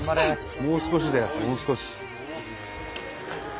もう少しだよもう少し。